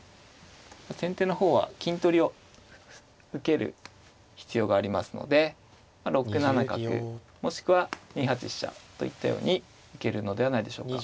先手の方は金取りを受ける必要がありますので６七角もしくは２八飛車といったように受けるのではないでしょうか。